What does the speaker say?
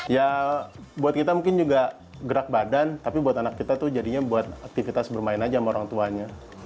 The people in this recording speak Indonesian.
ya buat kita mungkin juga gerak badan tapi buat anak kita tuh jadinya buat aktivitas bermain aja sama orang tuanya